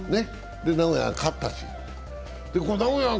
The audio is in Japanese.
名古屋が勝ったし。